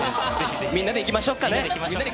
みんなで行きましょう。